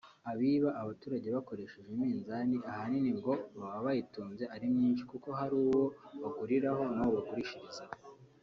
Abiba abaturage bakoresheje iminzani ahanini ngo baba bayitunze ari myinshi kuko hari uwo baguriraho n’uwo bagurishirizaho